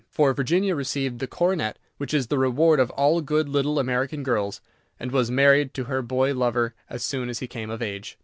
For Virginia received the coronet, which is the reward of all good little American girls, and was married to her boy lover as soon as he came of age.